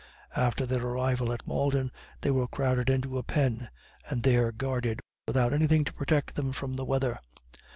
After their arrival at Malden, they were crowded into a pen, and there guarded, without anything to protect them from the weather.